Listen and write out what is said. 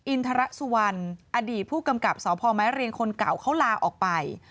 อินทรสุวรรณอดีตผู้กำกับสพมเรียงคนเก่าเขาลาออกไป